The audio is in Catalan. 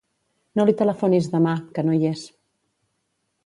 No li telefonis demà, que no hi és.